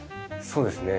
そうですね。